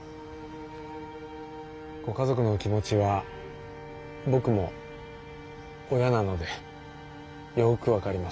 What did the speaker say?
ご家族の気持ちは僕も親なのでよく分かります。